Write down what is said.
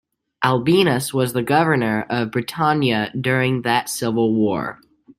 Albinus was the governor of Britannia during that civil war.